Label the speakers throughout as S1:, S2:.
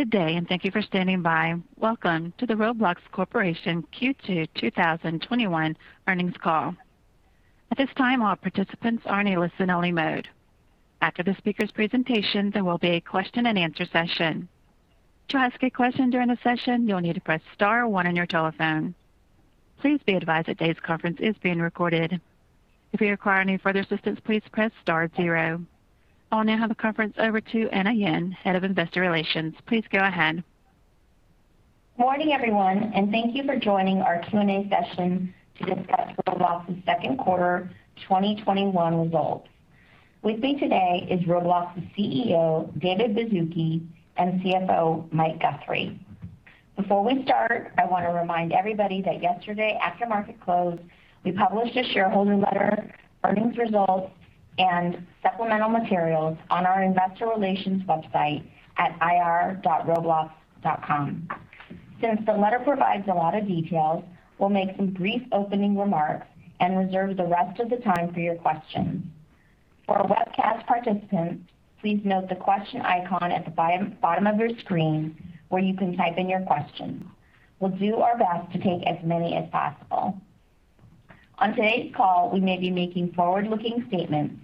S1: Good day and thank you for standing by. Welcome to the Roblox Corporation Q2 2021 earnings call. At this time, all participants are in listen-only mode. After the speakers presentation there will be an question-and-answer session. If you want to ask a question during the session you need to press star one on your telephone. Please be advised that today presentation is being recorded. If you require any further assistance please press star zero. If I'll now hand the conference over to Anna Yen, Head of Investor Relations. Please go ahead.
S2: Morning, everyone. Thank you for joining our Q&A session to discuss Roblox's second quarter 2021 results. With me today is Roblox's CEO, David Baszucki, and CFO, Mike Guthrie. Before we start, I want to remind everybody that yesterday after market close, we published a shareholder letter, earnings results, and supplemental materials on our investor relations website at ir.roblox.com. Since the letter provides a lot of details, we'll make some brief opening remarks and reserve the rest of the time for your questions. For our webcast participants, please note the question icon at the bottom of your screen where you can type in your question. We'll do our best to take as many as possible. On today's call, we may be making forward-looking statements,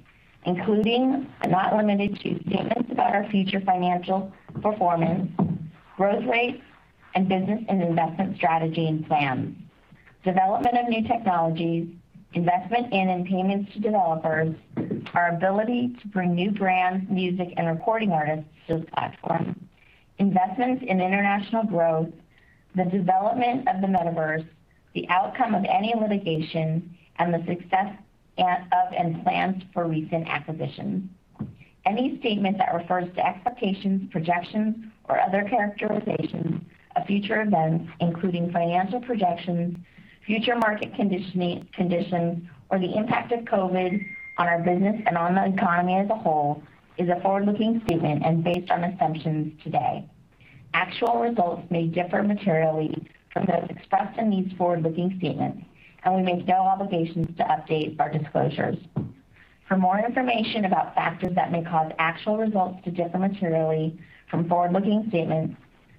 S2: including, but not limited to, statements about our future financial performance, growth rates, and business and investment strategy and plans, development of new technologies, investment in and payments to developers, our ability to bring new brands, music, and recording artists to the platform, investments in international growth, the development of the Metaverse, the outcome of any litigation, and the success of and plans for recent acquisitions. Any statement that refers to expectations, projections, or other characterizations of future events, including financial projections, future market conditions, or the impact of COVID on our business and on the economy as a whole, is a forward-looking statement and based on assumptions today. Actual results may differ materially from those expressed in these forward-looking statements, and we make no obligations to update our disclosures. For more information about factors that may cause actual results to differ materially from forward-looking statements,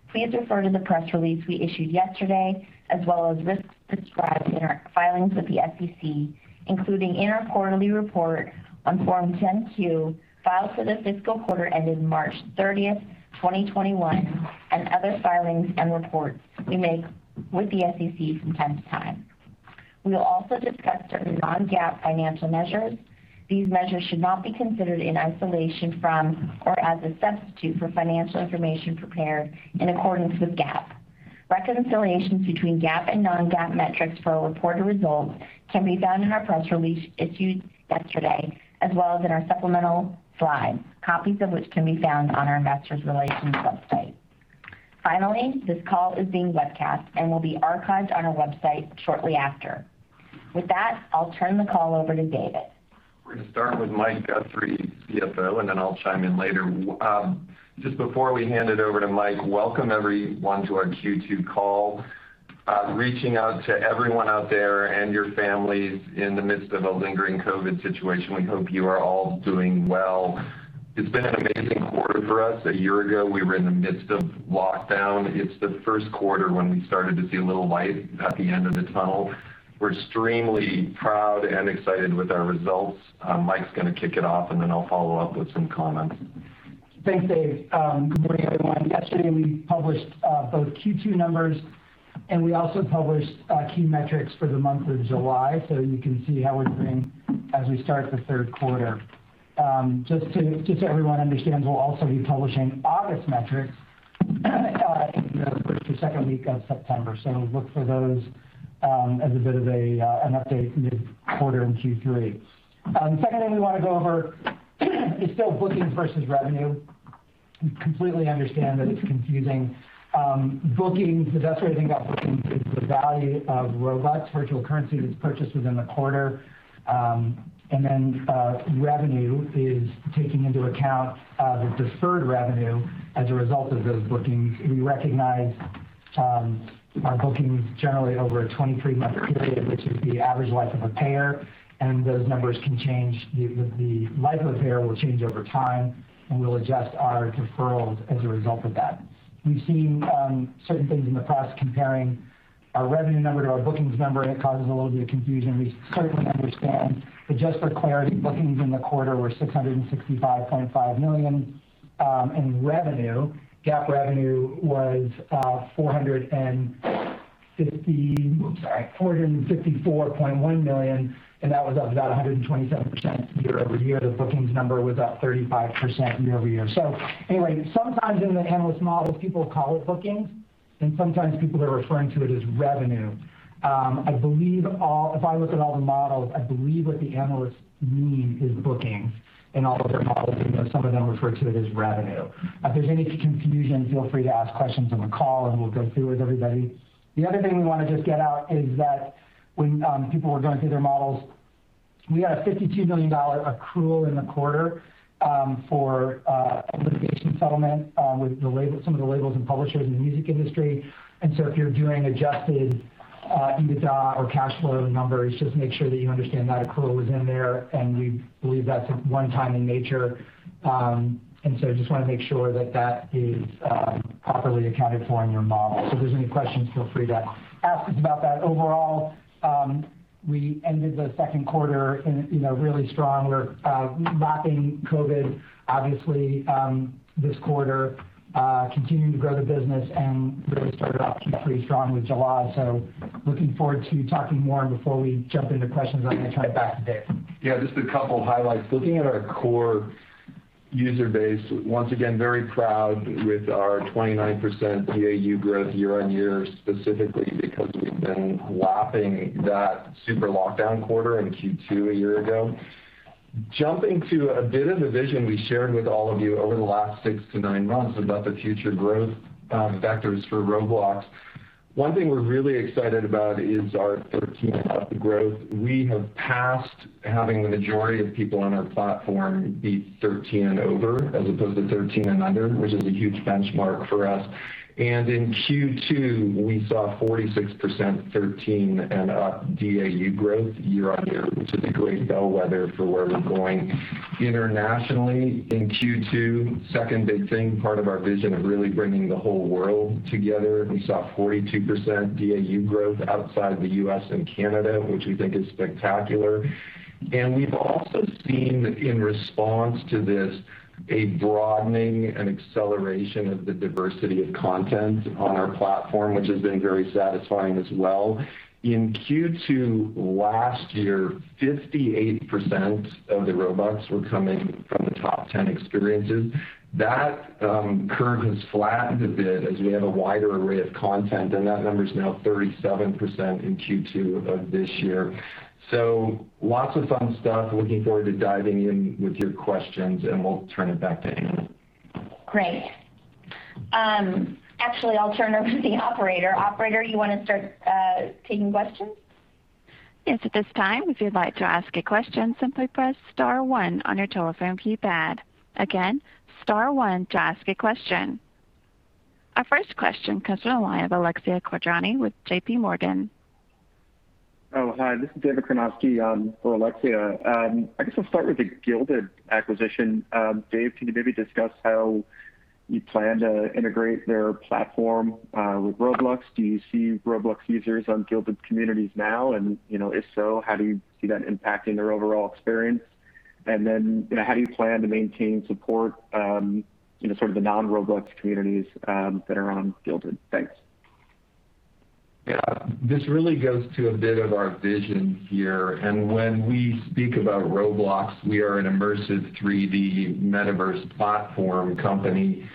S2: please refer to the press release we issued yesterday, as well as risks described in our filings with the SEC, including in our quarterly report on Form 10-Q, filed for the fiscal quarter ending March 30th, 2021, and other filings and reports we make with the SEC from time to time. We will also discuss certain non-GAAP financial measures. These measures should not be considered in isolation from or as a substitute for financial information prepared in accordance with GAAP. Reconciliations between GAAP and non-GAAP metrics for our reported results can be found in our press release issued yesterday, as well as in our supplemental slides, copies of which can be found on our investor relations website. Finally, this call is being webcast and will be archived on our website shortly after. With that, I'll turn the call over to David.
S3: We're going to start with Mike Guthrie, CFO, and then I'll chime in later. Before we hand it over to Mike, welcome everyone to our Q2 call. Reaching out to everyone out there and your families in the midst of a lingering COVID situation, we hope you are all doing well. It's been an amazing quarter for us. A year ago, we were in the midst of lockdown. It's the first quarter when we started to see a little light at the end of the tunnel. We're extremely proud and excited with our results. Mike's going to kick it off, and then I'll follow up with some comments.
S4: Thanks, Dave. Good morning, everyone. Yesterday, we published both Q2 numbers, and we also published key metrics for the month of July, so you can see how we're doing as we start the third quarter. Just so everyone understands, we will also be publishing August metrics in the first or second week of September, so look for those as a bit of an update mid-quarter in Q3. Secondly, we want to go over is still bookings versus revenue. We completely understand that it is confusing. Bookings, so that is where I think about bookings, is the value of Roblox virtual currency that is purchased within the quarter. Revenue is taking into account the deferred revenue as a result of those bookings. We recognize our bookings generally over a 23-month period, which is the average life of a payer, and those numbers can change. The life of a payer will change over time, and we'll adjust our deferrals as a result of that. We've seen certain things in the press comparing our revenue number to our bookings number, and it causes a little bit of confusion. We certainly understand. Just for clarity, bookings in the quarter were $665.5 million, and revenue, GAAP revenue, was $454.1 million, and that was up about 127% year-over-year. The bookings number was up 35% year-over-year. Anyway, sometimes in the analyst models, people call it bookings, and sometimes people are referring to it as revenue. If I look at all the models, I believe what the analysts mean is bookings in all of their models, even though some of them refer to it as revenue. If there's any confusion, feel free to ask questions on the call and we'll go through with everybody. The other thing we want to just get out is that when people are going through their models. We had a $52 million accrual in the quarter for a litigation settlement with some of the labels and publishers in the music industry. If you're doing adjusted EBITDA or cash flow numbers, just make sure that you understand that accrual was in there, and we believe that's one-time in nature. I just want to make sure that is properly accounted for in your model. If there's any questions, feel free to ask us about that. Overall, we ended the second quarter really strong. We're lapping COVID, obviously, this quarter, continuing to grow the business, and really started off Q3 strong with July. Looking forward to talking more. Before we jump into questions, I'm going to turn it back to Dave.
S3: Yeah, just a couple highlights. Looking at our core user base, once again, very proud with our 29% DAU growth year-on-year, specifically because we've been lapping that super lockdown quarter in Q2 a year ago. Jumping to a bit of the vision we shared with all of you over the last six to nine months about the future growth vectors for Roblox, one thing we're really excited about is our 13-and-up growth. We have passed having the majority of people on our platform be 13 and over as opposed to 13 and under, which is a huge benchmark for us. In Q2, we saw 46% 13-and-up DAU growth year-on-year, which is a great bellwether for where we're going internationally in Q2. Second big thing, part of our vision of really bringing the whole world together, we saw 42% DAU growth outside of the U.S. and Canada, which we think is spectacular. We've also seen, in response to this, a broadening and acceleration of the diversity of content on our platform, which has been very satisfying as well. In Q2 last year, 58% of the Robux were coming from the top 10 experiences. That curve has flattened a bit as we have a wider array of content, and that number is now 37% in Q2 of this year. Lots of fun stuff. Looking forward to diving in with your questions, and we'll turn it back to Anna.
S2: Great. Actually, I'll turn over to the operator. Operator, you want to start taking questions?
S1: Yes, at this time, if you'd like to ask a question, simply press star one on your telephone keypad. Again, star one to ask a question. Our first question comes from the line of Alexia Quadrani with JPMorgan.
S5: Oh, hi, this is David Karnovsky for Alexia. I guess I'll start with the Guilded acquisition. Dave, can you maybe discuss how you plan to integrate their platform with Roblox? Do you see Roblox users on Guilded communities now? If so, how do you see that impacting their overall experience? Then, how do you plan to maintain support, sort of the non-Roblox communities that are on Guilded? Thanks.
S3: Yeah. This really goes to a bit of our vision here. When we speak about Roblox, we are an immersive, 3D Metaverse platform company.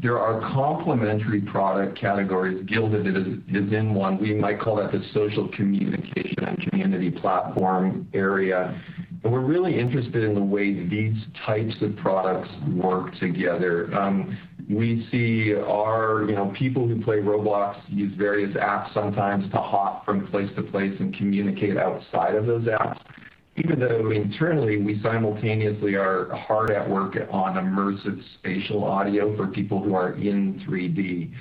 S3: There are complementary product categories. Guilded is in one. We might call that the social communication and community platform area. We're really interested in the way these types of products work together. We see our people who play Roblox use various apps sometimes to hop from place to place and communicate outside of those apps, even though internally, we simultaneously are hard at work on immersive spatial audio for people who are in 3D.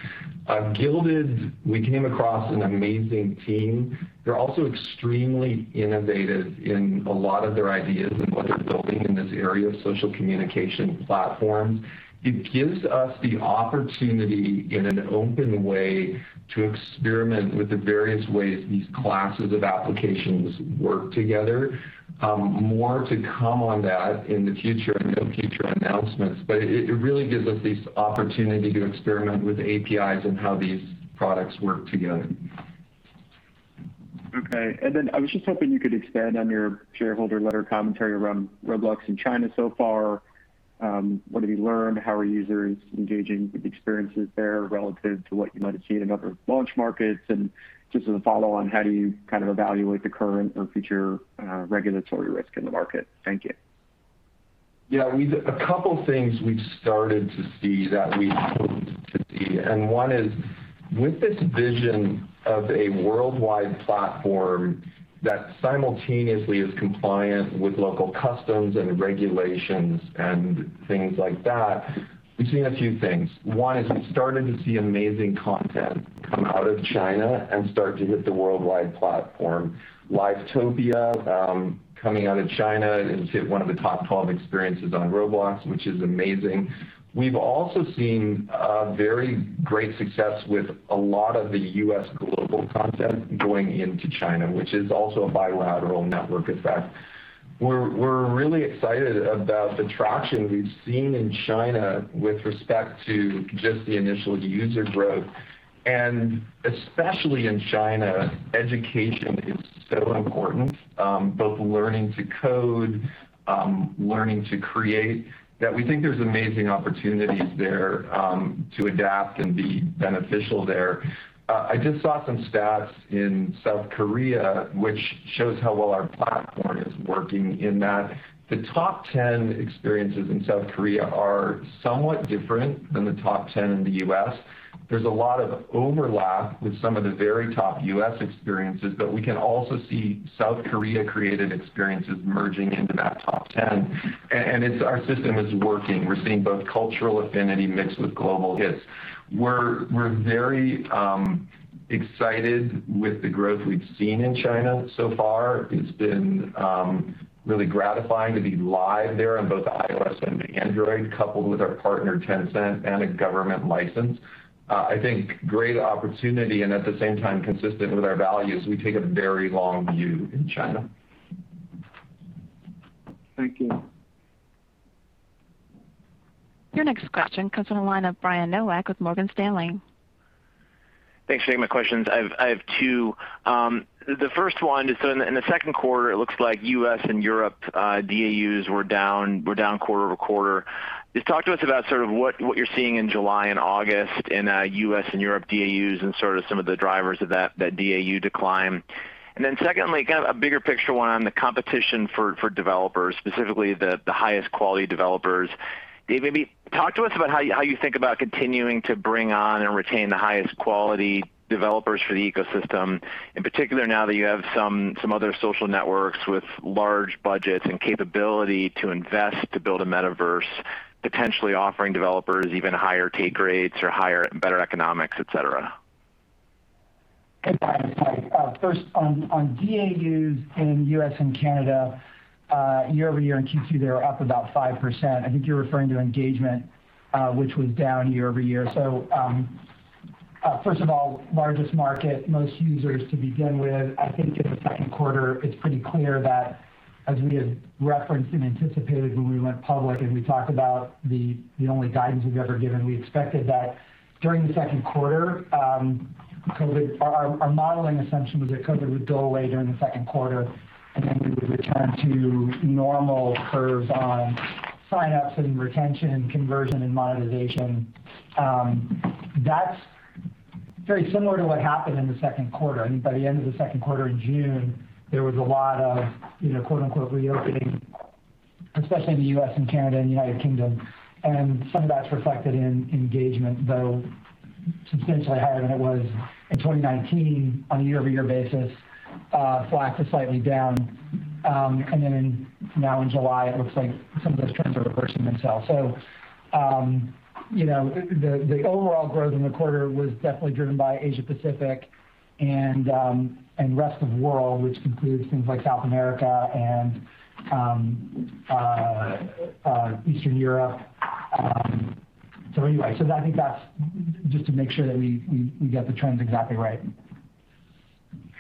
S3: Guilded, we came across an amazing team. They're also extremely innovative in a lot of their ideas and what they're building in this area of social communication platforms. It gives us the opportunity, in an open way, to experiment with the various ways these classes of applications work together. More to come on that in the future and in future announcements, but it really gives us this opportunity to experiment with APIs and how these products work together.
S5: Okay, I was just hoping you could expand on your shareholder letter commentary around Roblox in China so far. What have you learned? How are users engaging with the experiences there relative to what you might have seen in other launch markets? Just as a follow-on, how do you kind of evaluate the current or future regulatory risk in the market? Thank you.
S3: Yeah. A couple things we've started to see that we hoped to see, one is with this vision of a worldwide platform that simultaneously is compliant with local customs and regulations and things like that, we've seen a few things. One is we've started to see amazing content come out of China and start to hit the worldwide platform. Livetopia coming out of China into one of the top 12 experiences on Roblox, which is amazing. We've also seen very great success with a lot of the U.S. global content going into China, which is also a bilateral network effect. We're really excited about the traction we've seen in China with respect to just the initial user growth, especially in China, education is so important, both learning to code, learning to create, that we think there's amazing opportunities there to adapt and be beneficial there. I just saw some stats in South Korea which shows how well our platform is working in that the top 10 experiences in South Korea are somewhat different than the top 10 in the U.S. There's a lot of overlap with some of the very top U.S. experiences. We can also see South Korea-created experiences merging into that top 10. Our system is working. We're seeing both cultural affinity mixed with global hits. We're very excited with the growth we've seen in China so far. It's been really gratifying to be live there on both iOS and Android, coupled with our partner, Tencent, and a government license. I think great opportunity. At the same time, consistent with our values, we take a very long view in China.
S5: Thank you.
S1: Your next question comes on the line of Brian Nowak with Morgan Stanley.
S6: Thanks for taking my questions. I have two. The first one is, in the second quarter, it looks like U.S. and Europe DAUs were down quarter-over-quarter. Just talk to us about what you're seeing in July and August in U.S. and Europe DAUs and some of the drivers of that DAU decline. Secondly, kind of a bigger picture one on the competition for developers, specifically the highest quality developers. Dave, maybe talk to us about how you think about continuing to bring on and retain the highest quality developers for the ecosystem, in particular, now that you have some other social networks with large budgets and capability to invest to build a metaverse, potentially offering developers even higher take rates or higher and better economics, et cetera.
S4: Hey, Brian, it's Mike. First, on DAUs in U.S. and Canada, year-over-year in Q2, they were up about 5%. I think you're referring to engagement, which was down year-over-year. First of all, largest market, most users to begin with. I think in the second quarter, it's pretty clear that as we had referenced and anticipated when we went public, and we talked about the only guidance we've ever given, we expected that during the second quarter, our modeling assumption was that COVID would go away during the second quarter, and then we would return to normal curves on sign-ups and retention, conversion, and monetization. That's very similar to what happened in the second quarter, and by the end of the second quarter in June, there was a lot of reopening, especially in the U.S. and Canada and United Kingdom. Some of that's reflected in engagement, though substantially higher than it was in 2019 on a year-over-year basis, flat to slightly down. Then now in July, it looks like some of those trends are reversing themselves. The overall growth in the quarter was definitely driven by Asia Pacific and rest of world, which includes things like South America and Eastern Europe. Anyway, I think that's just to make sure that we get the trends exactly right.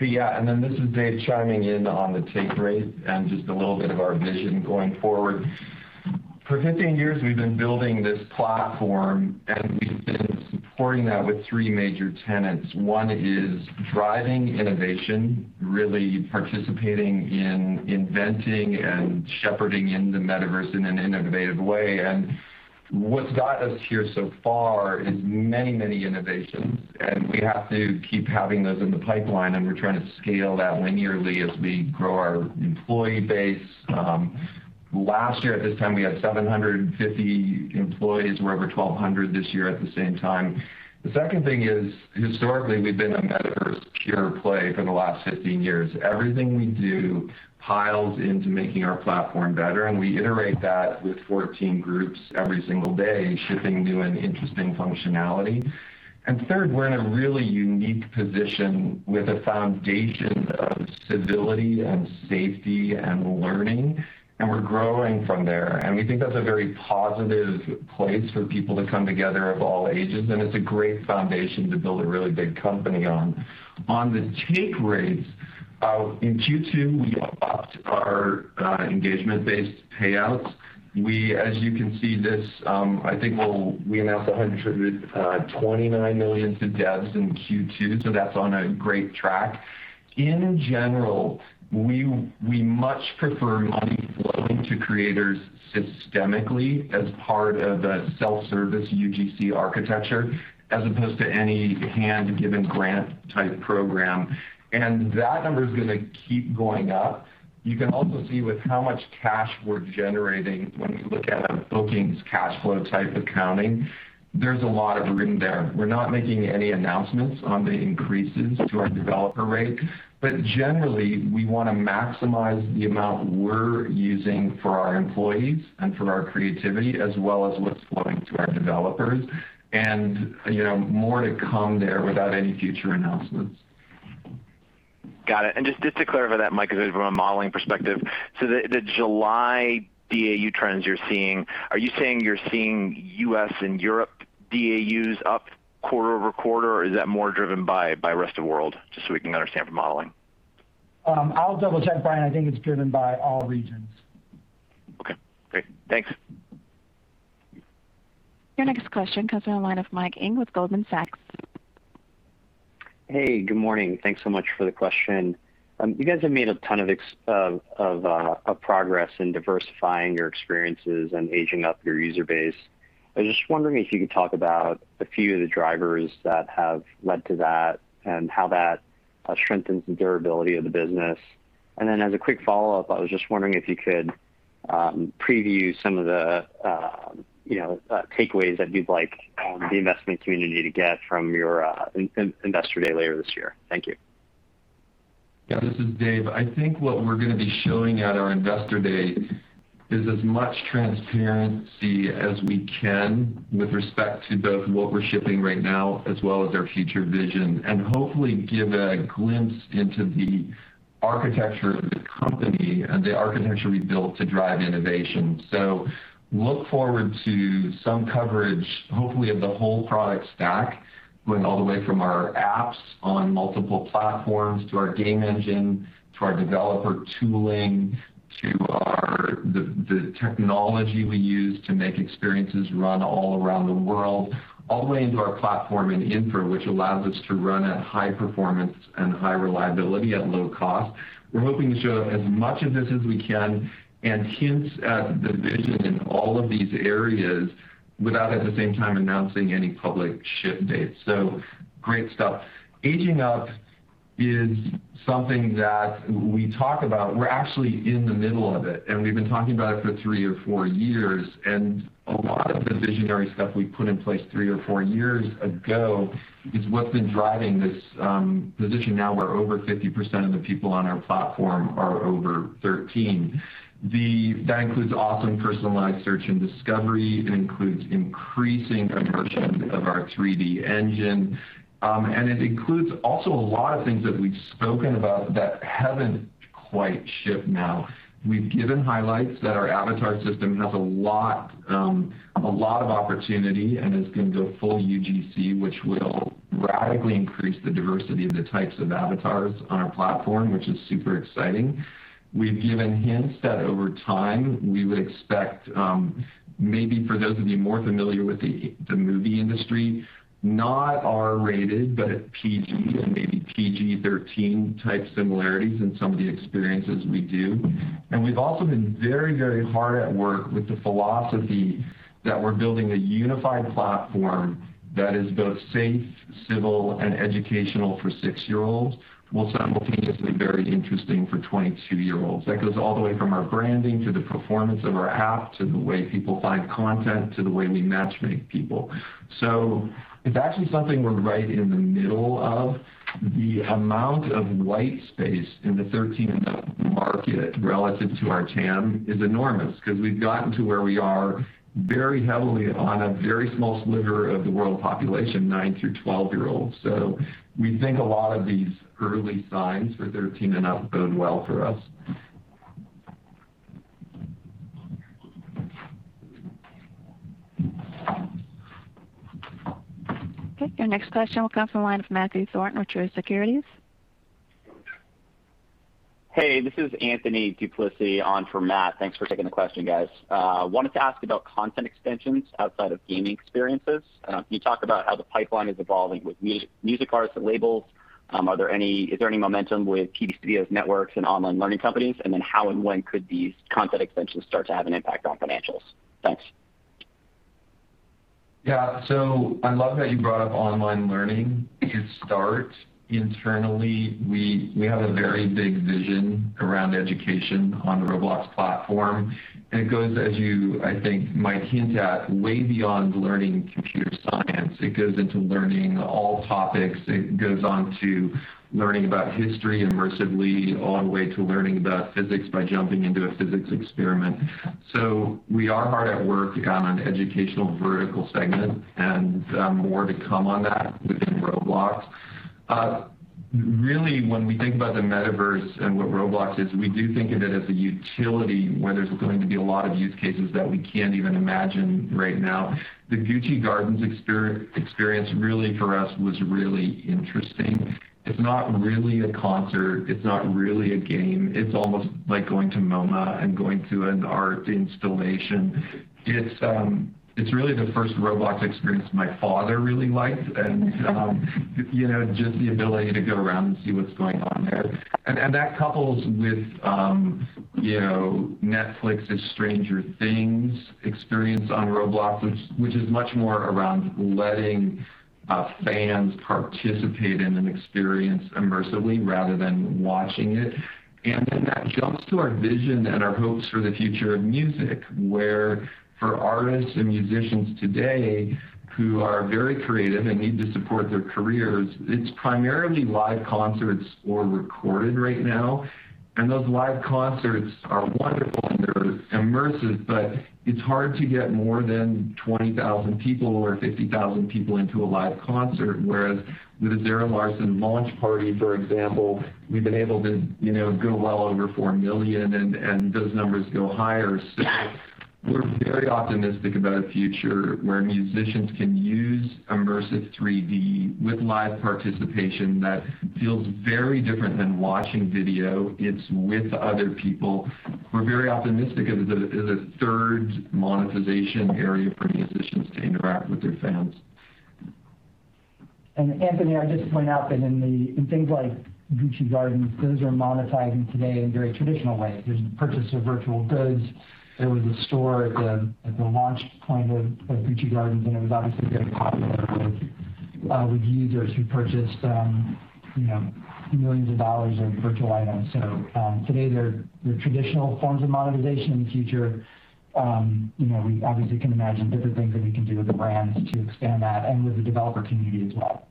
S3: Yeah. This is Dave chiming in on the take rate and just a little bit of our vision going forward. For 15 years, we've been building this platform, and we've been supporting that with three major tenets. One is driving innovation, really participating in inventing and shepherding in the Metaverse in an innovative way. What's got us here so far is many innovations, and we have to keep having those in the pipeline, and we're trying to scale that linearly as we grow our employee base. Last year at this time, we had 750 employees. We're over 1,200 this year at the same time. The second thing is, historically, we've been a Metaverse pure play for the last 15 years. Everything we do piles into making our platform better, and we iterate that with 14 groups every single day, shipping new and interesting functionality. Third, we're in a really unique position with a foundation of civility and safety and learning, and we're growing from there. We think that's a very positive place for people to come together of all ages, and it's a great foundation to build a really big company on. On the take rates, in Q2, we opt our engagement-based payouts. As you can see this, I think we announced $129 million to devs in Q2, so that's on a great track. In general, we much prefer money flowing to creators systemically as part of the self-service UGC architecture as opposed to any hand-given grant type program. That number's going to keep going up. You can also see with how much cash we're generating when you look at a bookings cash flow type accounting, there's a lot of room there. We're not making any announcements on the increases to our developer rate, but generally, we want to maximize the amount we're using for our employees and for our creativity as well as what's flowing to our developers, and more to come there without any future announcements.
S6: Got it. Just to clarify that, Mike, from a modeling perspective, the July DAU trends you're seeing, are you saying you're seeing U.S. and Europe DAUs up quarter-over-quarter, or is that more driven by rest of world? Just so we can understand for modeling.
S4: I'll double-check, Brian. I think it's driven by all regions.
S6: Okay, great. Thanks.
S1: Your next question comes on the line of Mike Ng with Goldman Sachs.
S7: Hey, good morning. Thanks so much for the question. You guys have made a ton of progress in diversifying your experiences and aging up your user base. I was just wondering if you could talk about a few of the drivers that have led to that and how that strengthens the durability of the business. As a quick follow-up, I was just wondering if you could preview some of the takeaways that you'd like the investment community to get from your investor day later this year. Thank you.
S3: Yeah, this is Dave. I think what we're going to be showing at our investor day is as much transparency as we can with respect to both what we're shipping right now as well as our future vision. Hopefully give a glimpse into the architecture of the company and the architecture we built to drive innovation. Look forward to some coverage, hopefully of the whole product stack, going all the way from our apps on multiple platforms, to our game engine, to our developer tooling, to the technology we use to make experiences run all around the world, all the way into our platform and infra, which allows us to run at high performance and high reliability at low cost. We're hoping to show as much of this as we can and hints at the vision in all of these areas without, at the same time, announcing any public ship dates. Great stuff. Aging up is something that we talk about. We're actually in the middle of it, and we've been talking about it for three or four years. A lot of the visionary stuff we put in place three or four years ago is what's been driving this position now where over 50% of the people on our platform are over 13. That includes awesome personalized search and discovery. It includes increasing immersion of our 3D engine. It includes also a lot of things that we've spoken about that haven't quite shipped now. We've given highlights that our avatar system has a lot of opportunity and is going to go full UGC, which will radically increase the diversity of the types of avatars on our platform, which is super exciting. We've given hints that over time we would expect, maybe for those of you more familiar with the movie industry, not R-rated, but PG and maybe PG-13 type similarities in some of the experiences we do. We've also been very hard at work with the philosophy that we're building a unified platform that is both safe, civil and educational for six-year-olds, while simultaneously very interesting for 22-year-olds. That goes all the way from our branding, to the performance of our app, to the way people find content, to the way we matchmake people. It's actually something we're right in the middle of. The amount of white space in the 13 and up market relative to our TAM is enormous because we've gotten to where we are very heavily on a very small sliver of the world population, 9-12 year-olds. We think a lot of these early signs for 13 and up bode well for us.
S1: Okay, your next question will come from the line of Matthew Thornton with Truist Securities.
S8: Hey, this is Anthony Duplisea on for Matt. Thanks for taking the question, guys. I wanted to ask about content extensions outside of gaming experiences. You talked about how the pipeline is evolving with music artists and labels. Is there any momentum with TV studios, networks, and online learning companies? How and when could these content extensions start to have an impact on financials? Thanks.
S3: Yeah. I love that you brought up online learning to start. Internally, we have a very big vision around education on the Roblox platform, and it goes as you, I think, might hint at, way beyond learning computer science. It goes into learning all topics. It goes on to learning about history immersively, all the way to learning about physics by jumping into a physics experiment. We are hard at work on an educational vertical segment and more to come on that within Roblox. Really, when we think about the metaverse and what Roblox is, we do think of it as a utility where there's going to be a lot of use cases that we can't even imagine right now. The Gucci Garden experience really for us was really interesting. It's not really a concert, it's not really a game. It's almost like going to MoMA and going to an art installation. It's really the first Roblox experience my father really liked and just the ability to go around and see what's going on there. That couples with Netflix's Stranger Things experience on Roblox, which is much more around letting fans participate in an experience immersively rather than watching it. That jumps to our vision and our hopes for the future of music, where for artists and musicians today who are very creative and need to support their careers, it's primarily live concerts or recorded right now. Those live concerts are wonderful and they're immersive, but it's hard to get more than 20,000 people or 50,000 people into a live concert. Whereas with the Zara Larsson launch party, for example, we've been able to go well over 4,000,000 and those numbers go higher. We're very optimistic about a future where musicians can use immersive 3D with live participation that feels very different than watching video. It's with other people. We're very optimistic as a third monetization area for musicians to interact with their fans.
S4: Anthony, I'd just point out that in things like Gucci Garden, those are monetizing today in very traditional ways. There's purchase of virtual goods. There was a store at the launch point of Gucci Garden, and it was obviously very popular with users who purchased millions of dollars of virtual items. Today there are traditional forms of monetization. In the future, we obviously can imagine different things that we can do with brands to expand that and with the developer community as well.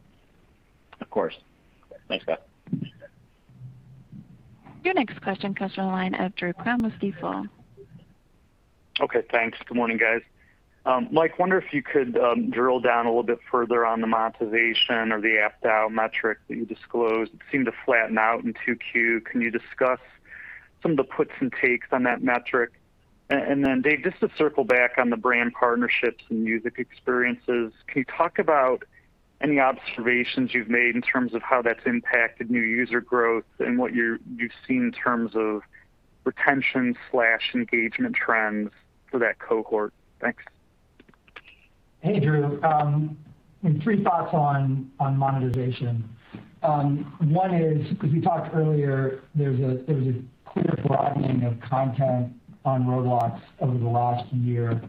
S8: Of course. Thanks guys.
S1: Your next question comes from the line of Drew Crum, Stifel.
S9: Okay, thanks. Good morning, guys. Mike, wonder if you could drill down a little bit further on the monetization of the ABPDAU metric that you disclosed. It seemed to flatten out in 2Q. Can you discuss some of the puts and takes on that metric? Dave, just to circle back on the brand partnerships and music experiences, can you talk about any observations you've made in terms of how that's impacted new user growth and what you've seen in terms of retention/engagement trends for that cohort? Thanks.
S4: Hey, Drew. Three thoughts on monetization. One is, as we talked earlier, there was a clear broadening of content on Roblox over the last year.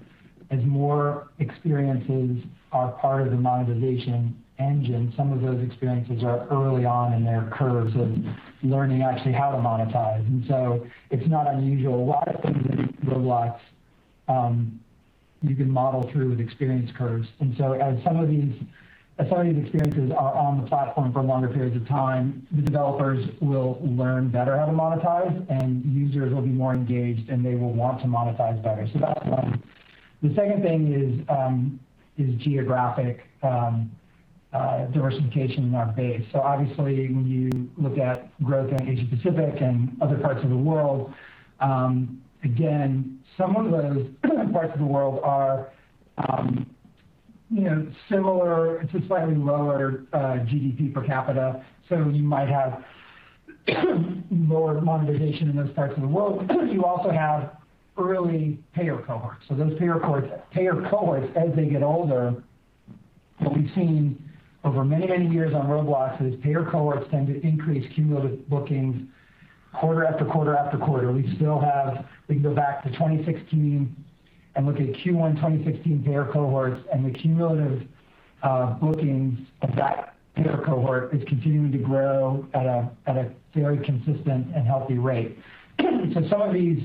S4: As more experiences are part of the monetization engine, some of those experiences are early on in their curves of learning actually how to monetize. It's not unusual. A lot of things in Roblox, you can model through with experience curves. As some of these experiences are on the platform for longer periods of time, the developers will learn better how to monetize, and users will be more engaged, and they will want to monetize better. That's one. The second thing is geographic diversification in our base. Obviously, when you look at growth in Asia Pacific and other parts of the world, again, some of those parts of the world are similar to slightly lower GDP per capita. You might have lower monetization in those parts of the world. You also have early payer cohorts. Those payer cohorts, as they get older, what we've seen over many, many years on Roblox is payer cohorts tend to increase cumulative bookings quarter, after quarter, after quarter. We can go back to 2016 and look at Q1 2016 payer cohorts, and the cumulative bookings of that payer cohort is continuing to grow at a very consistent and healthy rate. Some of these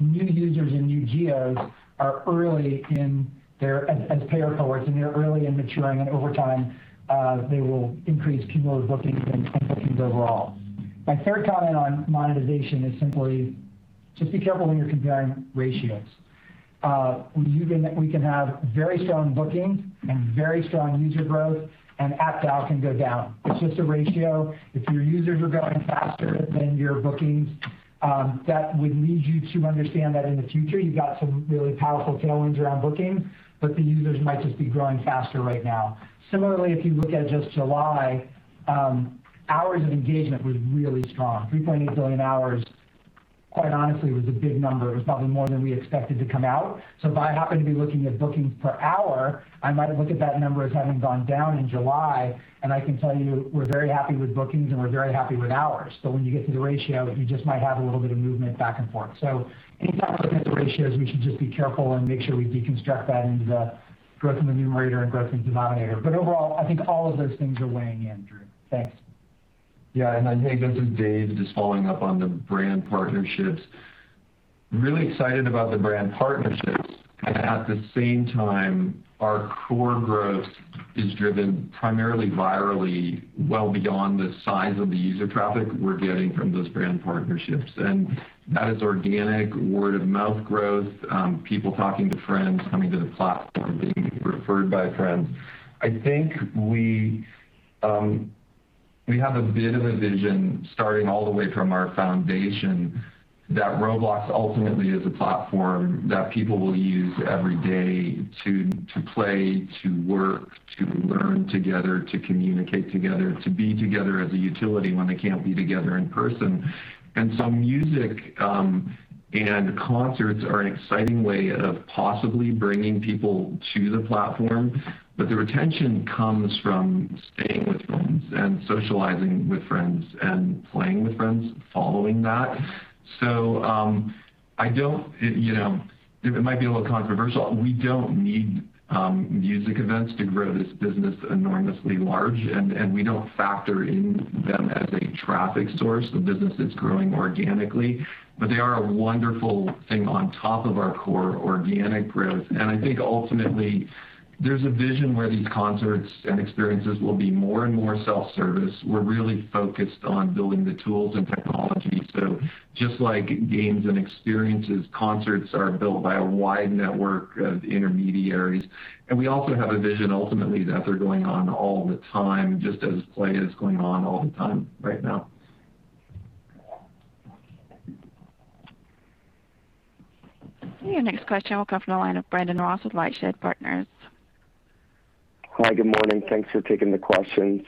S4: new users in new geos as payer cohorts, and they're early in maturing, and over time, they will increase cumulative bookings and spend bookings overall. My third comment on monetization is simply just be careful when you're comparing ratios. We can have very strong bookings and very strong user growth, and ABPDAU can go down. It's just a ratio. If your users are growing faster than your bookings, that would lead you to understand that in the future, you've got some really powerful tailwinds around bookings, but the users might just be growing faster right now. Similarly, if you look at just July, hours of engagement was really strong. 3.8 billion hours, quite honestly, was a big number. It was probably more than we expected to come out. If I happen to be looking at bookings per hour, I might have looked at that number as having gone down in July, and I can tell you we're very happy with bookings, and we're very happy with hours. When you get to the ratio, you just might have a little bit of movement back and forth. Anytime we look at the ratios, we should just be careful and make sure we deconstruct that into the growth in the numerator and growth in denominator. Overall, I think all of those things are weighing in, Drew. Thanks.
S3: Yeah, I think this is Dave, just following up on the brand partnerships. Really excited about the brand partnerships. At the same time, our core growth is driven primarily virally, well beyond the size of the user traffic we're getting from those brand partnerships. That is organic word of mouth growth, people talking to friends, coming to the platform, being referred by friends. I think we have a bit of a vision starting all the way from our foundation that Roblox ultimately is a platform that people will use every day to play, to work, to learn together, to communicate together, to be together as a utility when they can't be together in person. Music and concerts are an exciting way of possibly bringing people to the platform, but the retention comes from staying with friends and socializing with friends and playing with friends following that. It might be a little controversial. We don't need music events to grow this business enormously large, and we don't factor in them as a traffic source. The business is growing organically, they are a wonderful thing on top of our core organic growth. I think ultimately, there's a vision where these concerts and experiences will be more and more self-service. We're really focused on building the tools and technology. Just like games and experiences, concerts are built by a wide network of intermediaries. We also have a vision ultimately that they're going on all the time, just as play is going on all the time right now.
S1: Your next question will come from the line of Brandon Ross with LightShed Partners.
S10: Hi, good morning. Thanks for taking the questions.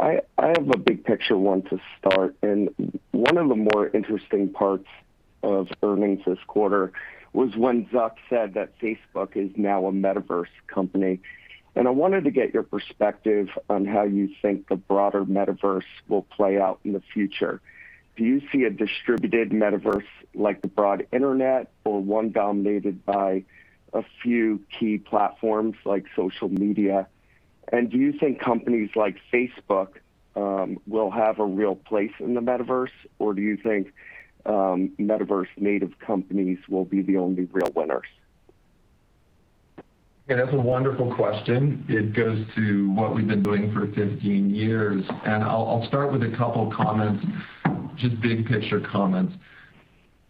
S10: I have a big picture one to start. One of the more interesting parts of earnings this quarter was when Zuck said that Facebook is now a Metaverse company. I wanted to get your perspective on how you think the broader Metaverse will play out in the future. Do you see a distributed Metaverse like the broad internet or one dominated by a few key platforms like social media? Do you think companies like Facebook will have a real place in the Metaverse, or do you think Metaverse native companies will be the only real winners?
S3: That's a wonderful question. It goes to what we've been doing for 15 years, and I'll start with a couple of comments, just big picture comments.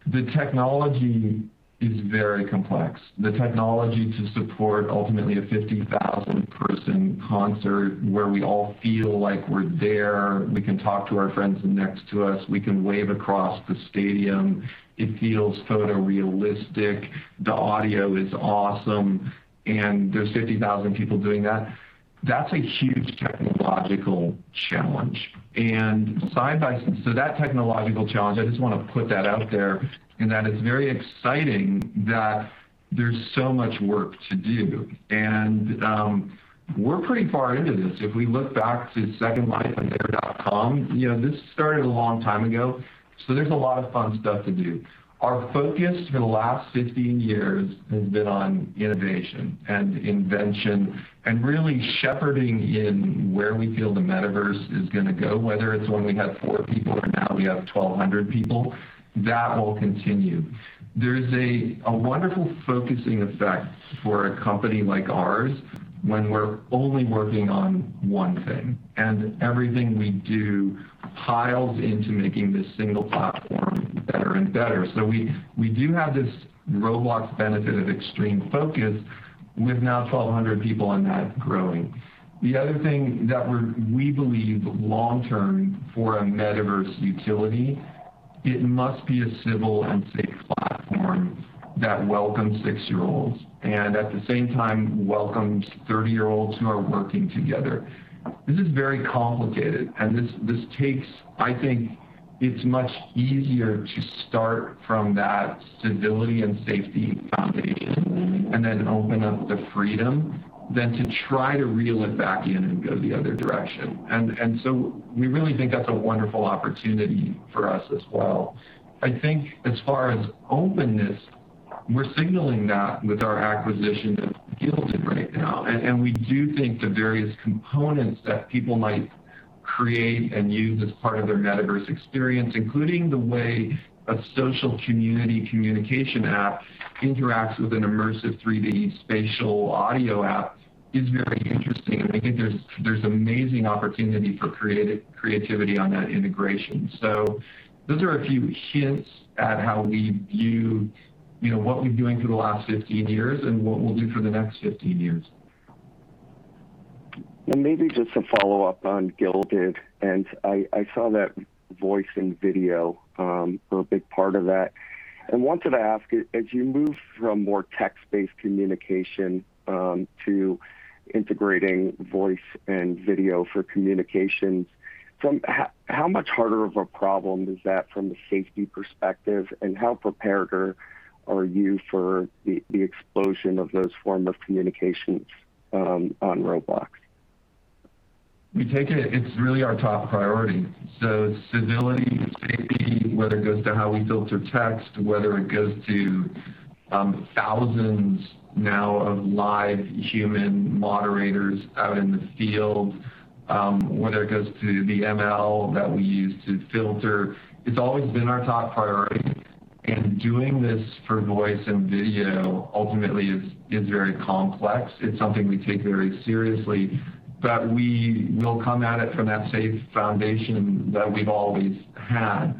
S3: The technology is very complex. The technology to support ultimately a 50,000-person concert where we all feel like we're there, we can talk to our friends next to us, we can wave across the stadium. It feels photorealistic, the audio is awesome, and there's 50,000 people doing that. That's a huge technological challenge. That technological challenge, I just want to put that out there, in that it's very exciting that there's so much work to do. We're pretty far into this. If we look back to Second Life and There.com, this started a long time ago, so there's a lot of fun stuff to do. Our focus for the last 15 years has been on innovation and invention and really shepherding in where we feel the Metaverse is going to go, whether it's when we had four people or now we have 1,200 people. That will continue. There's a wonderful focusing effect for a company like ours when we're only working on one thing, and everything we do piles into making this single platform better and better. We do have this Roblox benefit of extreme focus with now 1,200 people, and that is growing. The other thing that we believe long-term for a Metaverse utility, it must be a civil and safe platform that welcomes six-year-olds and, at the same time, welcomes 30-year-olds who are working together. This is very complicated, and I think it's much easier to start from that stability and safety foundation and then open up the freedom than to try to reel it back in and go the other direction. We really think that's a wonderful opportunity for us as well. I think as far as openness, we're signaling that with our acquisition of Guilded right now, and we do think the various components that people might create and use as part of their Metaverse experience, including the way a social community communication app interacts with an immersive 3D spatial audio app, is very interesting, and I think there's amazing opportunity for creativity on that integration. Those are a few hints at what we've been doing for the last 15 years and what we'll do for the next 15 years.
S10: Maybe just to follow up on Guilded, and I saw that voice and video were a big part of that, and wanted to ask, as you move from more text-based communication to integrating voice and video for communications, how much harder of a problem is that from the safety perspective, and how prepared are you for the explosion of those form of communications on Roblox?
S3: It's really our top priority. Civility, safety, whether it goes to how we filter text, whether it goes to thousands now of live human moderators out in the field, whether it goes to the ML that we use to filter, it's always been our top priority. Doing this for voice and video ultimately is very complex. It's something we take very seriously, but we will come at it from that safe foundation that we've always had.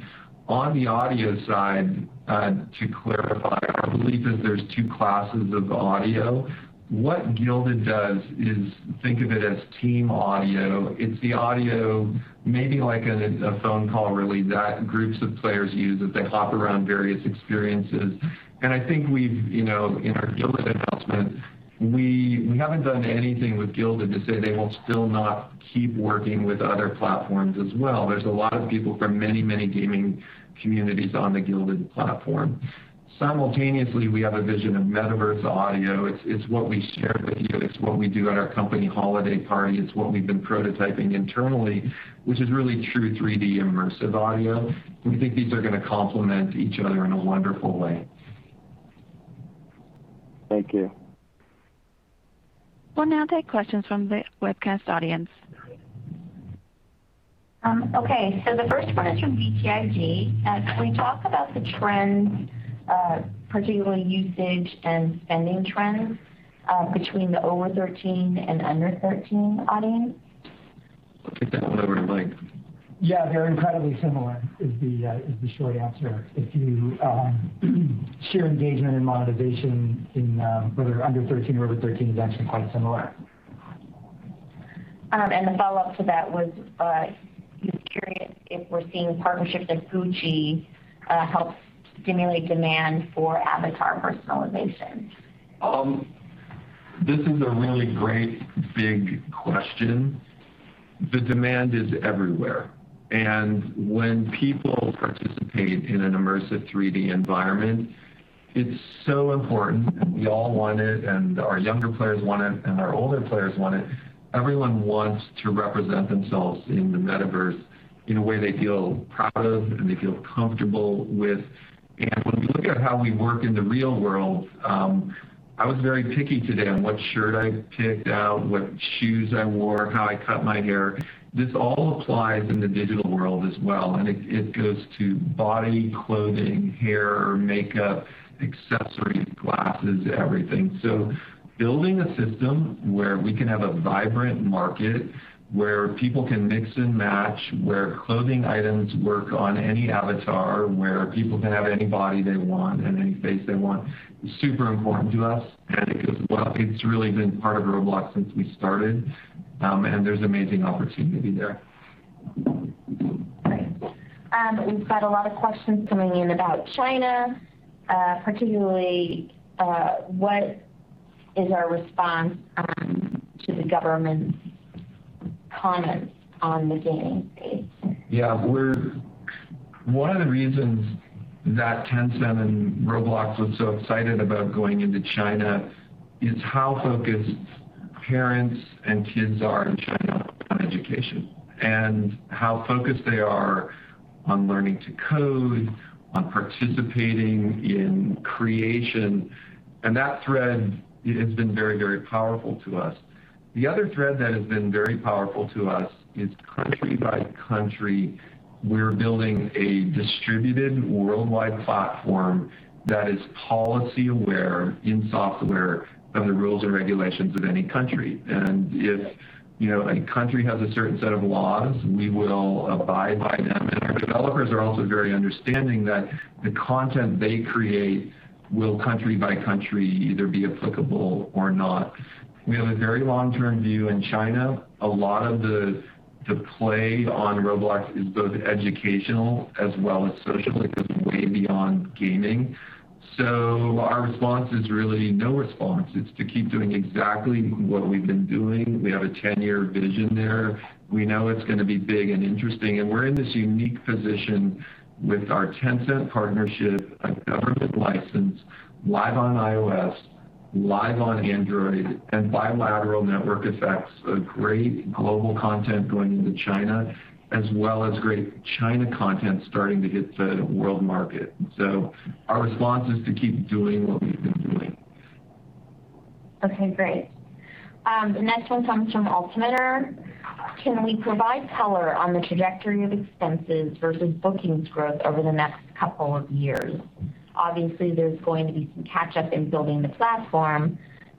S3: On the audio side, to clarify, I believe that there's two classes of audio. What Guilded does is think of it as team audio. It's the audio, maybe like a phone call, really, that groups of players use as they hop around various experiences. I think in our Guilded announcement, we haven't done anything with Guilded to say they will still not keep working with other platforms as well. There's a lot of people from many, many gaming communities on the Guilded platform. Simultaneously, we have a vision of Metaverse audio. It's what we shared with you. It's what we do at our company holiday party. It's what we've been prototyping internally, which is really true 3D immersive audio. We think these are going to complement each other in a wonderful way.
S10: Thank you.
S1: We'll now take questions from the webcast audience.
S2: Okay, the first one is from BTIG. Can we talk about the trends, particularly usage and spending trends, between the over 13 and under 13 audience?
S3: I'll kick that one over to Mike.
S4: They're incredibly similar is the short answer. If you share engagement and monetization in whether under 13 or over 13, it's actually quite similar.
S2: The follow-up to that was, just curious if we're seeing partnerships like GUCCI help stimulate demand for avatar personalization?
S3: This is a really great, big question. The demand is everywhere. When people participate in an immersive 3D environment. It's so important, and we all want it, and our younger players want it, and our older players want it. Everyone wants to represent themselves in the metaverse in a way they feel proud of and they feel comfortable with. When we look at how we work in the real world, I was very picky today on what shirt I picked out, what shoes I wore, how I cut my hair. This all applies in the digital world as well, and it goes to body, clothing, hair, makeup, accessories, glasses, everything. Building a system where we can have a vibrant market, where people can mix and match, where clothing items work on any avatar, where people can have any body they want and any face they want is super important to us, and it goes well. It's really been part of Roblox since we started, and there's amazing opportunity there.
S2: Great. We've got a lot of questions coming in about China, particularly, what is our response to the government's comments on the gaming space?
S3: One of the reasons that Tencent and Roblox were so excited about going into China is how focused parents and kids are in China on education, and how focused they are on learning to code, on participating in creation, and that thread has been very, very powerful to us. The other thread that has been very powerful to us is country by country, we're building a distributed worldwide platform that is policy-aware in software of the rules and regulations of any country. If a country has a certain set of laws, we will abide by them, and our developers are also very understanding that the content they create will country by country either be applicable or not. We have a very long-term view in China. A lot of the play on Roblox is both educational as well as social. It goes way beyond gaming. Our response is really no response. It's to keep doing exactly what we've been doing. We have a 10-year vision there. We know it's going to be big and interesting, and we're in this unique position with our Tencent partnership, a government license, live on iOS, live on Android, and bilateral network effects of great global content going into China, as well as great China content starting to hit the world market. Our response is to keep doing what we've been doing.
S2: Okay, great. The next one comes from Altimeter. Can we provide color on the trajectory of expenses versus bookings growth over the next couple of years? Obviously, there's going to be some catch-up in building the platform,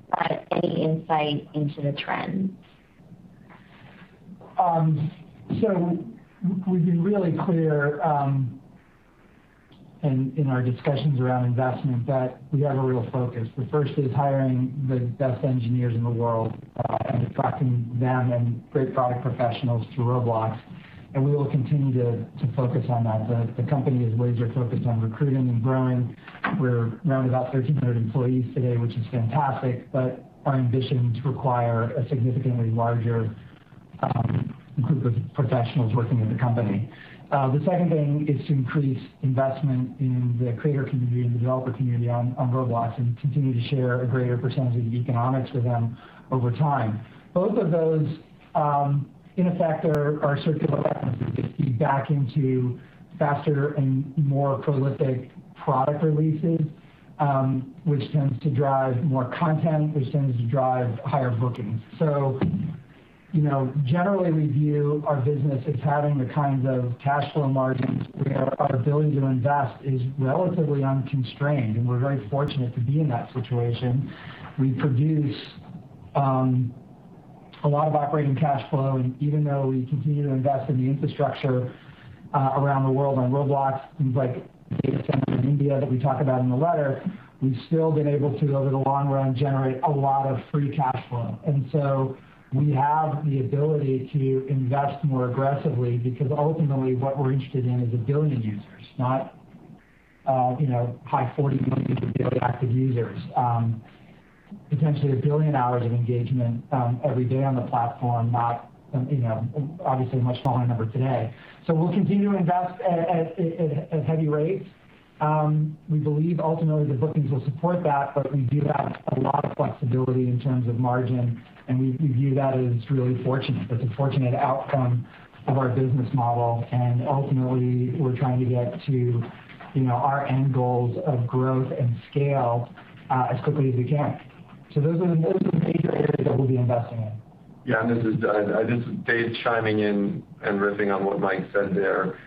S2: but any insight into the trends?
S4: We've been really clear, in our discussions around investment that we have a real focus. The first is hiring the best engineers in the world, and attracting them and great product professionals to Roblox, and we will continue to focus on that. The company is laser-focused on recruiting and growing. We're around about 1,300 employees today, which is fantastic, but our ambition is to acquire a significantly larger group of professionals working in the company. The second thing is to increase investment in the creator community and developer community on Roblox and continue to share a greater percentage of the economics with them over time. Both of those, in effect, are circular references that feed back into faster and more prolific product releases, which tends to drive more content, which tends to drive higher bookings. Generally, we view our business as having the kinds of cash flow margins where our ability to invest is relatively unconstrained, and we're very fortunate to be in that situation. We produce a lot of operating cash flow, and even though we continue to invest in the infrastructure around the world on Roblox, things like data centers in India that we talk about in the letter, we've still been able to, over the long run, generate a lot of free cash flow. We have the ability to invest more aggressively because ultimately what we're interested in is 1,000,000,000 users, not high 40 million of daily active users. Potentially 1,000,000,000 hours of engagement every day on the platform, obviously a much smaller number today. We'll continue to invest at heavy rates. We believe ultimately the bookings will support that, but we do have a lot of flexibility in terms of margin, and we view that as really fortunate. It's a fortunate outcome of our business model, and ultimately, we're trying to get to our end goals of growth and scale as quickly as we can. Those are the major areas that we'll be investing in.
S3: This is Dave chiming in and riffing on what Mike said there.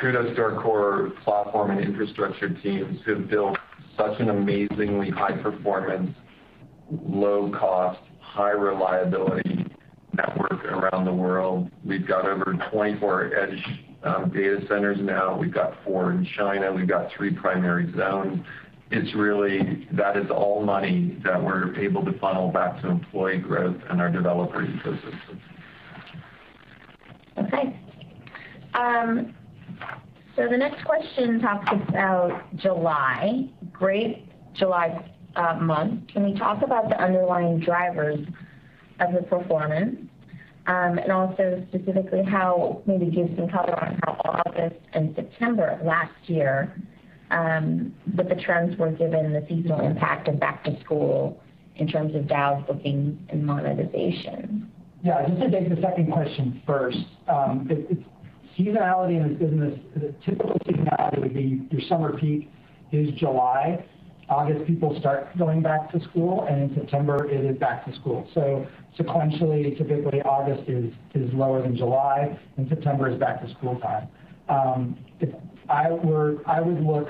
S3: Kudos to our core platform and infrastructure teams who've built such an amazingly high-performance, low-cost, high-reliability network around the world. We've got over 24 edge data centers now. We've got four in China. We've got three primary zones. That is all money that we're able to funnel back to employee growth and our developer ecosystem.
S2: Okay. The next question talks about July. Great July month. Can we talk about the underlying drivers of the performance? Also specifically how, maybe give some color on how August and September of last year, that the trends were given the seasonal impact of back to school in terms of DAU booking and monetization.
S4: Yeah. Just to take the second question first. Seasonality in this business, the typical seasonality would be your summer peak is July. August, people start going back to school, and in September it is back to school. Sequentially, typically August is lower than July and September is back-to-school time. I would look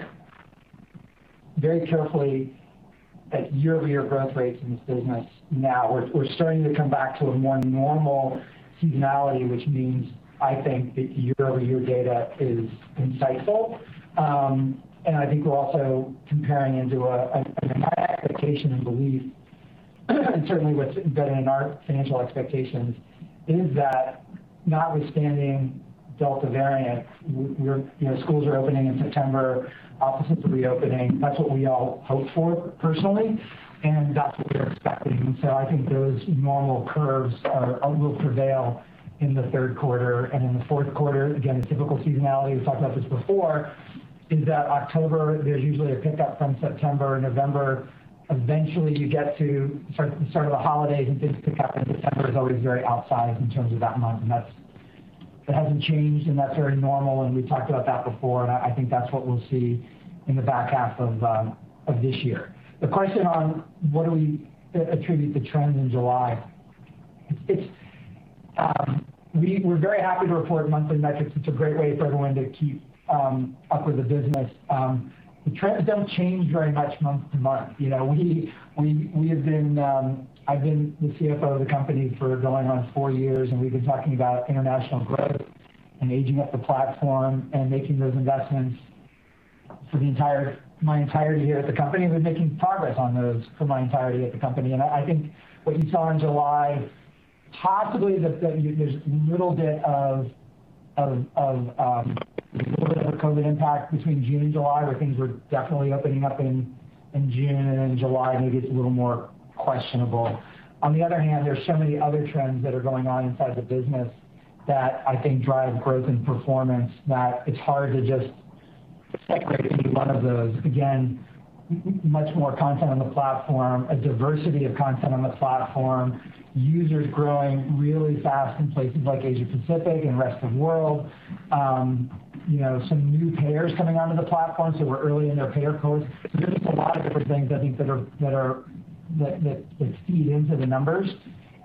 S4: very carefully at year-over-year growth rates in this business now. We're starting to come back to a more normal seasonality, which means I think that year-over-year data is insightful. I think we're also comparing into a, my expectation and belief, and certainly what's been in our financial expectations, is that notwithstanding Delta variant, schools are opening in September, offices are reopening. That's what we all hope for personally, and that's what we're expecting. I think those normal curves will prevail in the third quarter. In the fourth quarter, again, the typical seasonality, we've talked about this before, is that October, there's usually a pickup from September. November, eventually you get to sort of the holidays and things pick up, and December is always very outsized in terms of that month. That hasn't changed, and that's very normal, and we've talked about that before, and I think that's what we'll see in the back half of this year. The question on what do we attribute the trends in July? We're very happy to report monthly metrics. It's a great way for everyone to keep up with the business. The trends don't change very much month to month. I've been the CFO of the company for going on four years, and we've been talking about international growth and aging up the platform and making those investments for my entirety here at the company. We've been making progress on those for my entirety at the company. I think what you saw in July, possibly there's a little bit of a COVID impact between June and July, where things were definitely opening up in June, and then July maybe it's a little more questionable. On the other hand, there are so many other trends that are going on inside the business that I think drive growth and performance that it's hard to just separate any one of those. Again, much more content on the platform, a diversity of content on the platform, users growing really fast in places like Asia Pacific and rest of world. Some new payers coming onto the platform, so we're early in their payer curves. There's just a lot of different things, I think that feed into the numbers,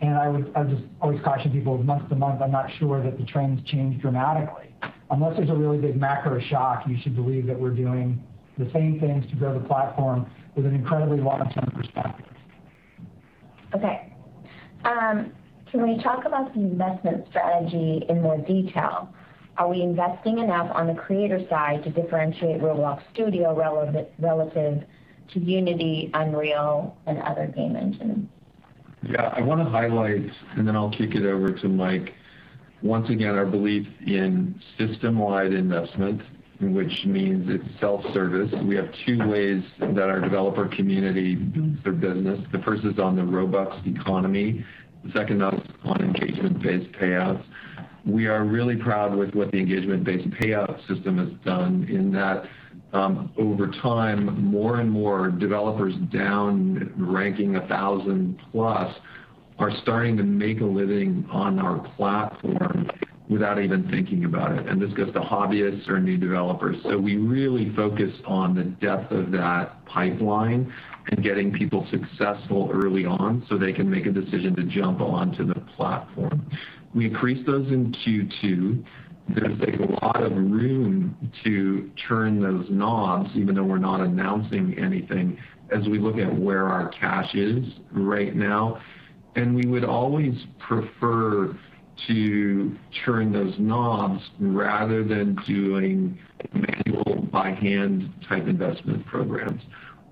S4: and I would just always caution people month to month, I'm not sure that the trends change dramatically. Unless there's a really big macro shock, you should believe that we're doing the same things to build a platform with an incredibly long-term perspective.
S2: Okay. Can we talk about the investment strategy in more detail? Are we investing enough on the creator side to differentiate Roblox Studio relative to Unity, Unreal, and other game engines?
S3: Yeah. I want to highlight, then I'll kick it over to Mike. Once again, our belief in system-wide investment, which means it's self-service. We have two ways that our developer community builds their business. The first is on the Robux economy, the second on engagement-based payouts. We are really proud with what the engagement-based payout system has done in that over time, more and more developers down ranking 1,000+ are starting to make a living on our platform without even thinking about it. This goes to hobbyists or new developers. We really focus on the depth of that pipeline and getting people successful early on so they can make a decision to jump onto the platform. We increased those in Q2. There's a lot of room to turn those knobs, even though we're not announcing anything as we look at where our cash is right now. We would always prefer to turn those knobs rather than doing manual by hand type investment programs.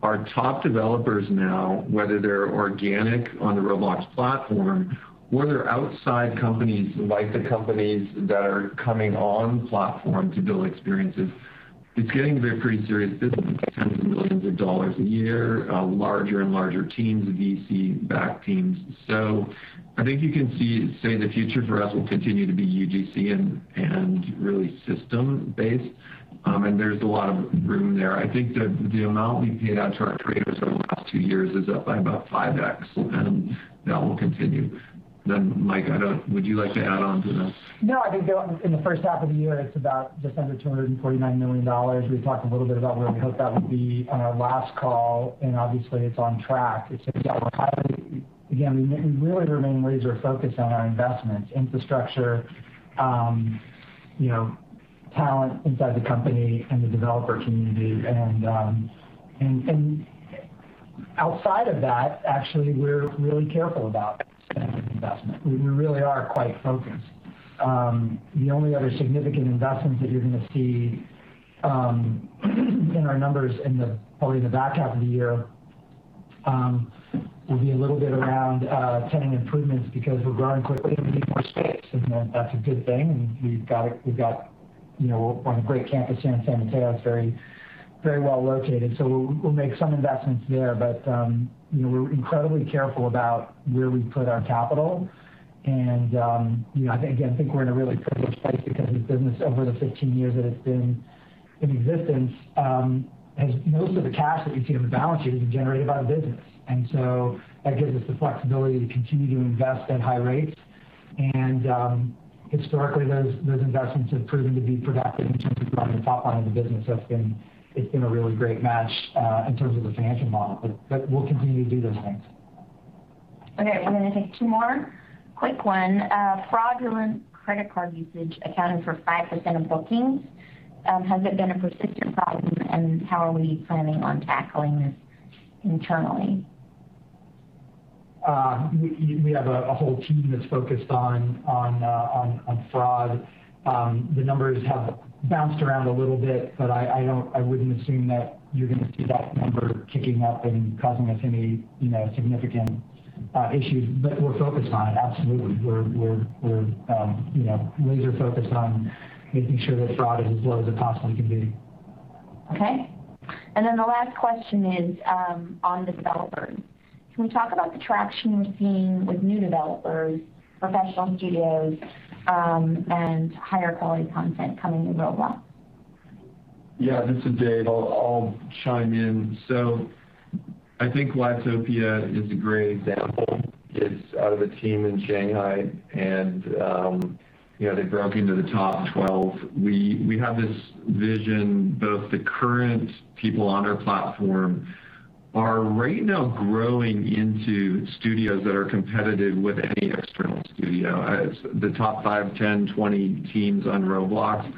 S3: Our top developers now, whether they're organic on the Roblox platform or they're outside companies like the companies that are coming on platform to build experiences, it's getting to be a pretty serious business, tens of millions of dollars a year, larger and larger teams, VC-backed teams. I think you can see, say the future for us will continue to be UGC and really system based. There's a lot of room there. I think that the amount we paid out to our creators over the last two years is up by about 5x, and that will continue. Mike, would you like to add on to that?
S4: No, I think in the first half of the year, it's about just under $249 million. We talked a little bit about where we hope that would be on our last call. Obviously, it's on track. It's, yeah, we're highly, again, we really remain laser focused on our investments, infrastructure, talent inside the company and the developer community. Outside of that, actually, we're really careful about spending investment. We really are quite focused. The only other significant investments that you're going to see in our numbers in probably the back half of the year will be a little bit around tenant improvements because we're growing quickly and we need more space. That's a good thing, and we've got a great campus here in San Mateo. It's very well-located. We'll make some investments there. We're incredibly careful about where we put our capital, and again, I think we're in a really privileged place because the business, over the 15 years that it's been in existence, most of the cash that you see on the balance sheet is generated by the business. That gives us the flexibility to continue to invest at high rates. Historically, those investments have proven to be productive in terms of growing the top line of the business. It's been a really great match in terms of the financial model, but we'll continue to do those things.
S2: Okay. I'm going to take two more. Quick one. Fraudulent credit card usage accounted for 5% of bookings. Has it been a persistent problem, and how are we planning on tackling this internally?
S4: We have a whole team that's focused on fraud. The numbers have bounced around a little bit, but I wouldn't assume that you're going to see that number ticking up and causing us any significant issues. We're focused on it, absolutely. We're laser focused on making sure that fraud is as low as it possibly can be.
S2: Okay. The last question is on developers. Can we talk about the traction we're seeing with new developers, professional studios, and higher quality content coming to Roblox?
S3: Yeah. This is Dave. I'll chime in. I think Livetopia is a great example. It's out of a team in Shanghai, and they broke into the top 12. We have this vision, both the current people on our platform are right now growing into studios that are competitive with any external studio. The top five, 10, 20 teams on Roblox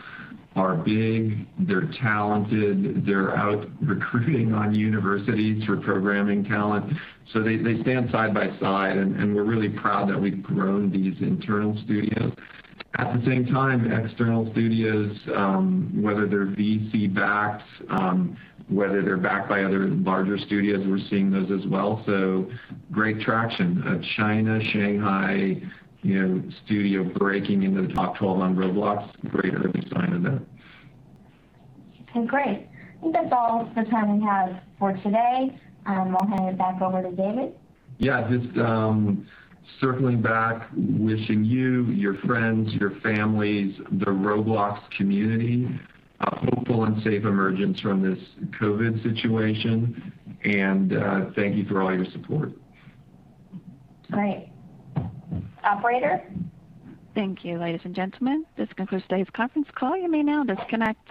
S3: are big, they're talented, they're out recruiting on universities for programming talent. They stand side by side, and we're really proud that we've grown these internal studios. At the same time, external studios, whether they're VC-backed, whether they're backed by other larger studios, we're seeing those as well. Great traction. A China, Shanghai studio breaking into the top 12 on Roblox, greater sign of that.
S2: Okay, great. I think that's all the time we have for today. I'll hand it back over to David.
S3: Just circling back, wishing you, your friends, your families, the Roblox community, a hopeful and safe emergence from this COVID situation. Thank you for all your support.
S2: Great. Operator?
S1: Thank you, ladies and gentlemen. This concludes today's conference call. You may now disconnect.